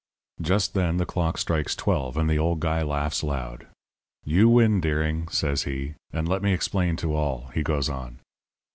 "Just then the clock strikes twelve, and the old guy laughs loud. 'You win, Deering,' says he. 'And let me explain to all,' he goes on.